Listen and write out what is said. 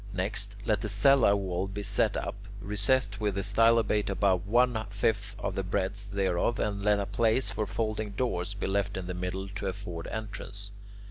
Next, let the cella wall be set up, recessed within the stylobate about one fifth of the breadth thereof, and let a place for folding doors be left in the middle to afford entrance.